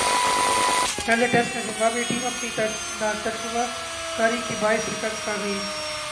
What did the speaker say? پہلے ٹیسٹ میں Zimbabwe team اپنی ناتجربہ کاری کے باعث شکست کھاگئی